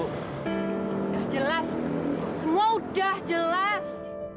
sudah jelas semua udah jelas